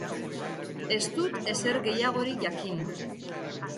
Ez dut ezer gehiagorik jakin.